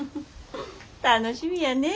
楽しみやね。